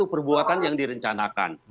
satu perbuatan yang direncanakan